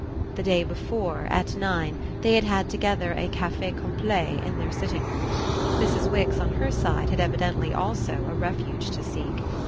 The day before, at nine, they had had together a café complet in their sitting room. Mrs. Wix on her side had evidently also a refuge to seek.